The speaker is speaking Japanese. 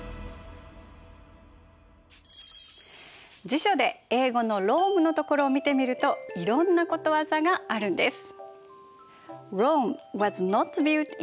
辞書で英語のローマのところを見てみるといろんなことわざがあるんです。